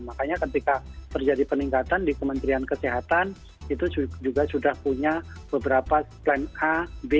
makanya ketika terjadi peningkatan di kementerian kesehatan itu juga sudah punya beberapa plan a b